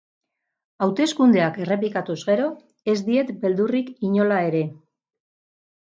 Hauteskundeak errepikatuz gero, ez diet beldurrik inola ere.